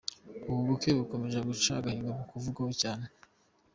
Ubu bukwe bukomeje guca agahigo ko kuvugwaho cyane.